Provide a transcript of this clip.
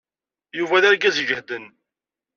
Yuba d argaz iǧehden.